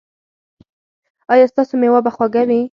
ایا ستاسو میوه به خوږه وي؟